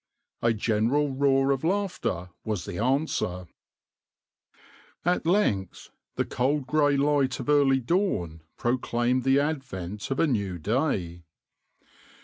A general roar of laughter was the answer.\par At length the cold grey light of early dawn proclaimed the advent of a new day.